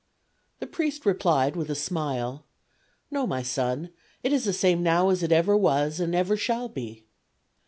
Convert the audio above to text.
The priest replied with a smile: "No, my son; it is the same now as it ever was and ever shall be."